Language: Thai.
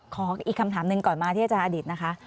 ขออีกคำถามหนึ่งก่อนมาที่จะอดิษฐ์นะคะ